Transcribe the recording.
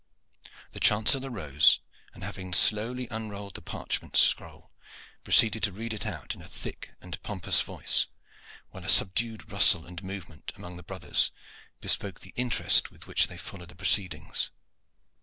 The chancellor rose, and having slowly unrolled the parchment scroll, proceeded to read it out in a thick and pompous voice, while a subdued rustle and movement among the brothers bespoke the interest with which they followed the proceedings.